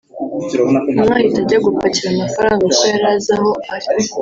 umwe ahita ajya gupakira amafaranga kuko yari azi aho ari